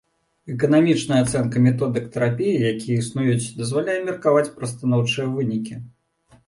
Эканамічная ацэнка методык тэрапіі, якія існуюць, дазваляе меркаваць пра станоўчыя вынікі.